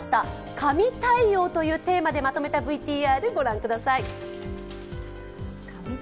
神対応というテーマでまとめたＶＴＲ、御覧ください。